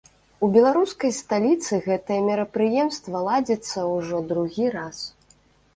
У беларускай сталіцы гэтае мерапрыемства ладзіцца ўжо другі раз.